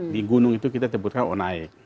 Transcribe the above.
di gunung itu kita sebutkan onae